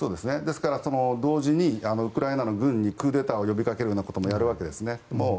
ですからウクライナの軍にクーデターを呼びかけることもやるわけですね。